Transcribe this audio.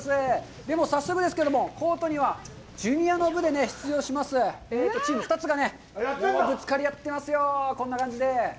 で早速ですけれども、コートにはジュニアの部で出場しますチーム２つがぶつかり合ってますよ、こんな感じで。